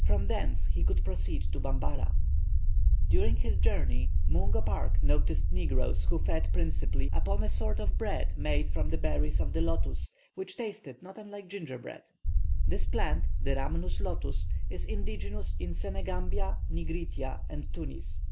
From thence he could proceed to Bambara. During his journey Mungo Park noticed negroes who fed principally upon a sort of bread made from the berries of the lotus, which tasted not unlike gingerbread. This plant, the rhamnus lotus, is indigenous in Senegambia, Nigritia, and Tunis.